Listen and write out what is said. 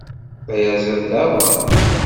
D ayaẓiḍ daɣen?